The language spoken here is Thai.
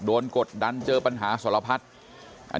กดดันเจอปัญหาสรพัฒน์